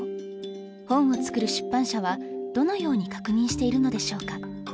本を作る出版社はどのように確認しているのでしょうか。